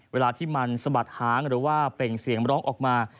เวลาที่มันสะบัดหางหรือว่าเปล่งเสียงร้องออกมา